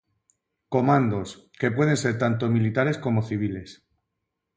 Comandos, que pueden ser tanto militares como civiles.